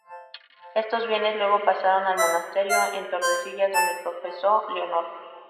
Estos bienes luego pasaron al monasterio en Tordesillas donde profesó Leonor.